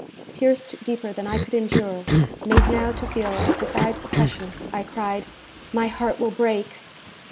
Pierced deeper than I could endure, made now to feel what defied suppression, I cried, 'My heart will break!'